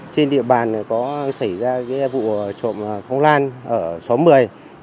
trên địa bàn có xảy ra vụ trộm phong lan ở xóm một mươi